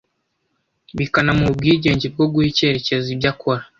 bikanamuha ubwigenge bwo guha icyerekezo ibyo akora